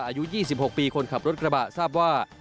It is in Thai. อายุ๒๖ปีคนขับรถกระบะทราบว่า